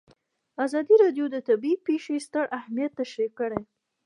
ازادي راډیو د طبیعي پېښې ستر اهميت تشریح کړی.